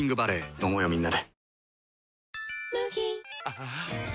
飲もうよみんなで。